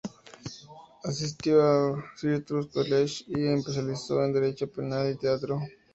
Asistió a Citrus College y se especializó en derecho penal y teatro.